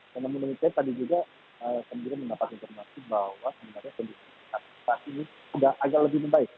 namun menurut saya tadi juga saya juga mendapat informasi bahwa kondisi ini saat ini agak lebih berat